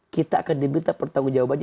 kita akan diminta pertanggung jawabannya